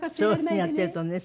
そういう風にやってるとね。